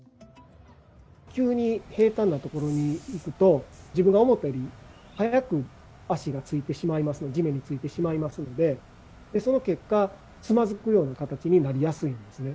急に平たんな所に行くと、自分が思ったより早く足がついてしまいます、地面についてしまいますので、その結果、つまずくような形になりやすいんですね。